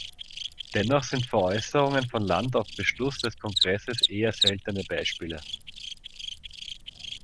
Dennoch sind Veräußerungen von Land auf Beschluss des Kongresses eher seltene Beispiele.